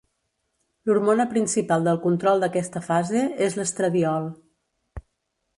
L'hormona principal del control d'aquesta fase és l'estradiol.